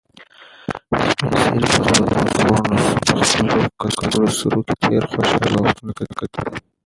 سپین سرې په خپل کڅوړنو سترګو کې تېر خوشحاله وختونه کتل.